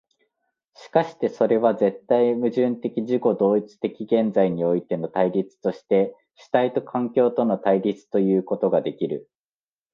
しかしてそれは絶対矛盾的自己同一的現在においての対立として主体と環境との対立ということができる。